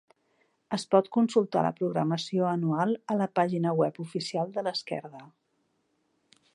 Es pot consultar la programació anual a la pàgina web oficial de l’Esquerda.